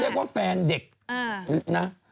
เรียกว่าแฟนเด็กนะ